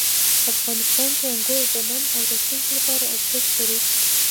افغانستان کې انګور د نن او راتلونکي لپاره ارزښت لري.